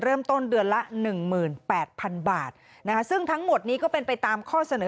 เริ่มต้นเดือนละ๑๘๐๐๐บาทนะคะซึ่งทั้งหมดนี้ก็เป็นไปตามข้อเสนอ